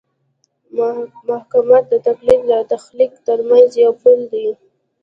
محاکات د تقلید او تخلیق ترمنځ یو پل دی